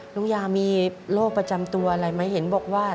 ยามีโรคประจำตัวอะไรไหมเห็นบอกว่า